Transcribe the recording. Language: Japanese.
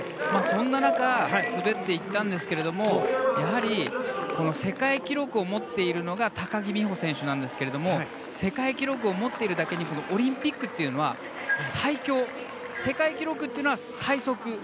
そんな中、滑っていったんですがやはり世界記録を持っているのが高木美帆選手なんですが世界記録を持っているだけにオリンピックというのは最強で世界記録というのは最速。